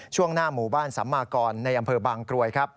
ช่วงหน้าหมู่บ้านสัมมากรในอำเภอบางกรวยครับ